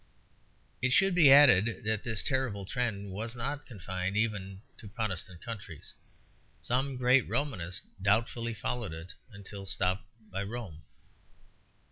It should be added that this terrible trend was not confined even to Protestant countries; some great Romanists doubtfully followed it until stopped by Rome.